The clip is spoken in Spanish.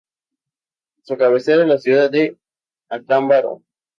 Su cabecera es la ciudad de Acámbaro.